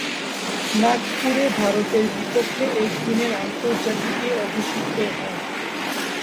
নাগপুরে ভারতের বিপক্ষে একদিনের আন্তর্জাতিকে অভিষিক্ত হন।